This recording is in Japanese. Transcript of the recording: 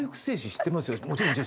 知ってます。